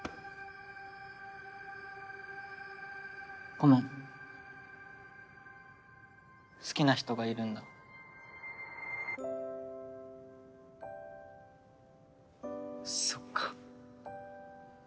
ごめん好きな人がいるんだそっか